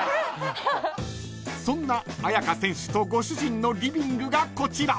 ［そんな亜矢可選手とご主人のリビングがこちら］